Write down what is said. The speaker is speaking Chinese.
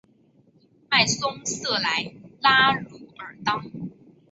迈松瑟莱拉茹尔当。